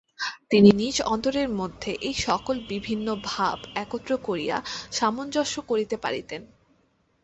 তিনি নিজ অন্তরের মধ্যে এই সকল বিভিন্ন ভাব একত্র করিয়া সামঞ্জস্য করিতে পারিতেন।